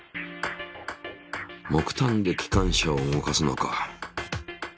木炭で機関車を動かすのか。